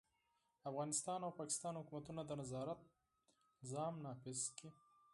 افغانستان او پاکستان حکومتونه د نظارت سیستم نافذ کړي.